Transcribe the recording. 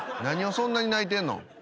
何をそんなに泣いてんの？